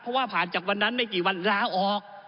เพราะว่าผ่านจากวันนั้นไม่กี่วันลาออก